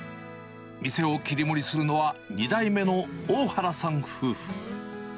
店を切り盛りするのは、２代目の大原さん夫婦。